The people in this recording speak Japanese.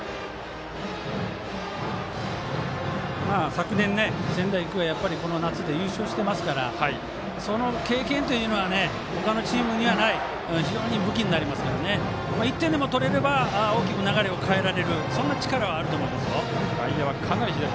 昨年、仙台育英、夏で優勝していますからその経験というのは他のチームにはない武器になりますから１点でも取れれば大きく流れを変えられるそんな力はあると思いますよ。